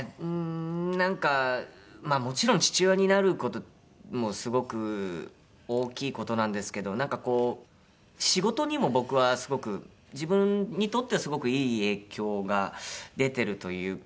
なんかまあもちろん父親になる事もすごく大きい事なんですけどなんかこう仕事にも僕はすごく自分にとってはすごくいい影響が出てるというか。